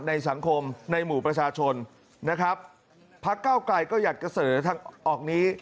ในสังคมในหมู่ประชาชนนะครับพักเก้าไกลก็อยากจะเสนอทางออกนี้